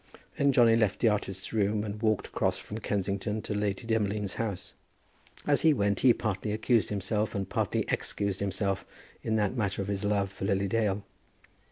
Then Johnny left the artist's room and walked across from Kensington to Lady Demolines' house. As he went he partly accused himself, and partly excused himself in that matter of his love for Lily Dale.